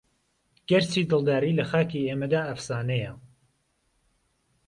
گەر چی دڵداری لە خاکی ئێمەدا ئەفسانەیە